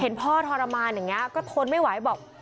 พ่อทรมานอย่างนี้ก็ทนไม่ไหวบอก